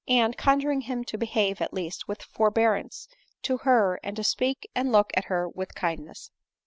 and, conjuring him to behave, at least, with forbearance to her, and to speak and look at her with kindness.